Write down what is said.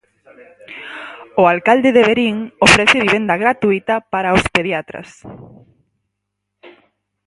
O alcalde de Verín ofrece vivenda gratuíta para os pediatras.